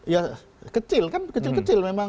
ya kecil kan kecil kecil memang